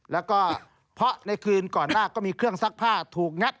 แล้วก็เพราะในคืนก่อนหน้าก็มีเครื่องซักผ้าถูกงัด